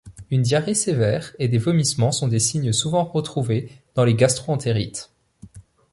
Une diarrhée sévère et des vomissements sont des signes souvent retrouvés dans les gastro-entérites.